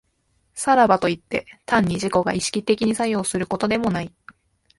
さらばといって、単に自己が意識的に作用することでもない。